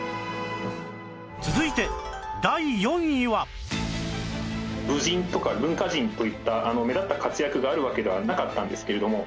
続いて武人とか文化人といった目立った活躍があるわけではなかったんですけれども。